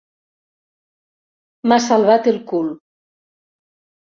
M'has salvat el cul!